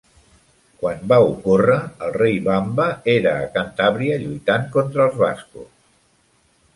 Quan va ocórrer, el rei Vamba era a Cantàbria lluitant contra bascos.